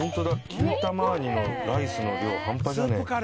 キンタマーニのライスの量半端じゃねえ。